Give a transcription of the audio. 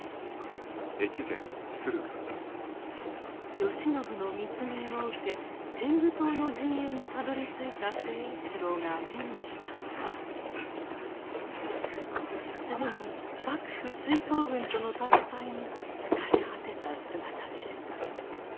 慶喜の密命を受け天狗党の陣営にたどりついた成一郎が目にしたのは既に幕府追討軍との戦いに疲れ果てた姿でした。